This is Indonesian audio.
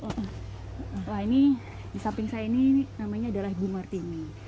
wah ini di samping saya ini namanya adalah ibu martini